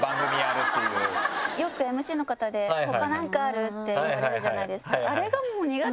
よくＭＣの方で「他なんかある？」って言われるじゃないですか。